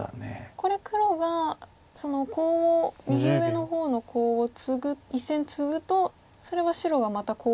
これ黒がそのコウを右上の方のコウを１線ツグとそれは白がまたコウを取って。